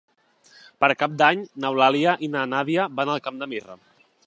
Per Cap d'Any n'Eulàlia i na Nàdia van al Camp de Mirra.